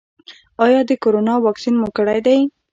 ایا د کرونا واکسین مو کړی دی؟